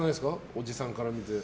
伯父さんから見て。